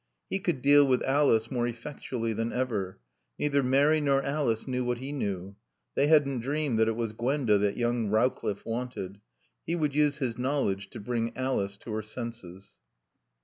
He could deal with Alice more effectually than ever. Neither Mary nor Alice knew what he knew. They hadn't dreamed that it was Gwenda that young Rowcliffe wanted. He would use his knowledge to bring Alice to her senses.